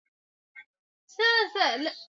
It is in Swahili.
ongeza maji ya hamira kwenye unga